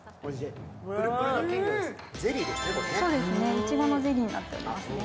いちごのゼリーになっています。